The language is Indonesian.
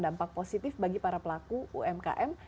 dampak positif bagi para pelaku umkm